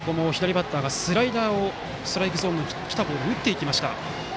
ここも左バッターがスライダーストライクゾーンに来たボールを打っていきました。